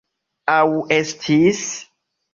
Aŭ estis?